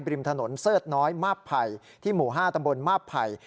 ริมถนนเสิร์ธน้อยมาบไผ่ที่หมู่๕ตำบลมาบไผ่